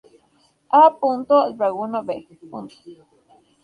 A. Dragunov.